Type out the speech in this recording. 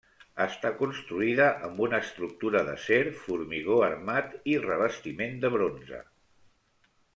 Està construïda amb una estructura d'acer, formigó armat i revestiment de bronze.